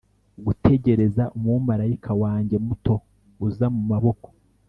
gutegereza umumarayika wanjye muto uza mu maboko